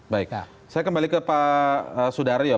baik saya kembali ke pak sudaryo